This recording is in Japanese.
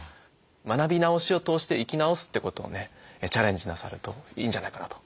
学び直しを通して生き直すってことをねチャレンジなさるといいんじゃないかなと。